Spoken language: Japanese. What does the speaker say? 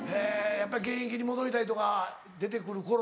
やっぱり現役に戻りたいとか出てくる頃でしょ？